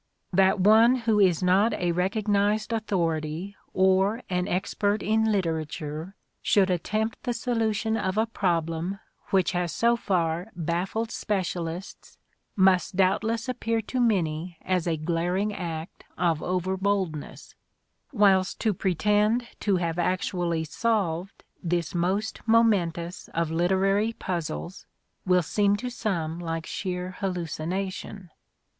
That one who is not a recognized authority or an expert in literature should attempt the solution of a problem which has so far baffled specialists must doubtless appear to many as a glaring act of over boldness ; whilst to pretend to have actually solved this most momentous of literary puzzles will seem to some like sheer hallucination.